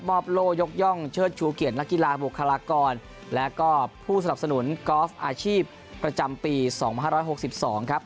โล่ยกย่องเชิดชูเกียรตินักกีฬาบุคลากรและก็ผู้สนับสนุนกอล์ฟอาชีพประจำปี๒๕๖๒ครับ